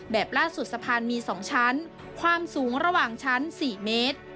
แบบล่าสุดสะพานมี๒ชั้นความสูงระหว่างชั้น๔เมตร